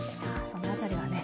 その辺りはね